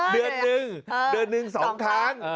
เดือนหนึ่ง๒ครั้ง